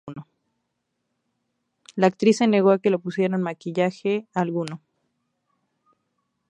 La actriz se negó que le pusieran maquillaje alguno.